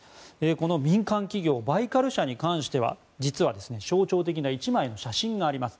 この民間企業バイカル社については象徴的な写真があります。